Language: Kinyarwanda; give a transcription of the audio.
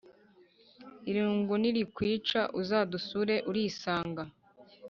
Irungu ni rikwica uzadusure urisanga